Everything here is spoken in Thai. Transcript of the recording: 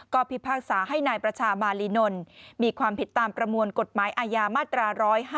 ก็พิพากษาให้นายประชามาลีนนท์มีความผิดตามประมวลกฎหมายอาญามาตรา๑๕